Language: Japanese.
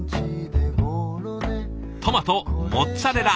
トマトモッツァレラ